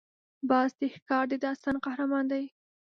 باز د ښکار د داستان قهرمان دی